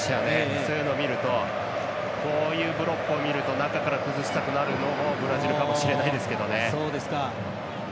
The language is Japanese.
そういうのを見るとこういうブロックを見ると中から崩したくなるのもブラジルかもしれないですけどね。